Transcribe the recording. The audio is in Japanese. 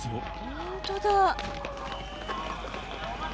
本当だ。